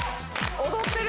踊ってる！